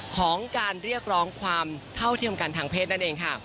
ของการเรียกร้องความเท่าเทียมกันทางเพศนั่นเองค่ะ